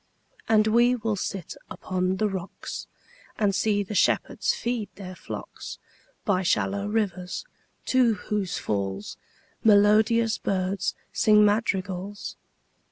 And we will sit upon the rocks, 5 And see the shepherds feed their flocks By shallow rivers, to whose falls Melodious birds sing madrigals.